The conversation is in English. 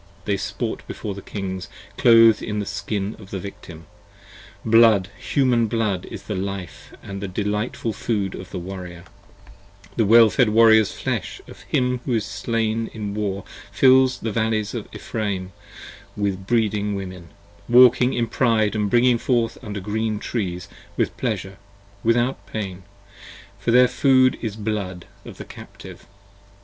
they sport before the Kings Clothed in the skin of the Victim ! blood, human blood, is the life And delightful food of the Warrior: the well fed Warrior's flesh 35 Of him who is slain in War fills the Valleys of Ephraim with Breeding Women walking in pride & bringing forth under green trees With pleasure, without pain, for their food is blood of the Captive.